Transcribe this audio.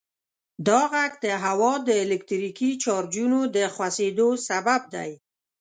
دا غږ د هوا د الکتریکي چارجونو د خوځیدو سبب دی.